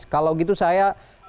kalau gitu saya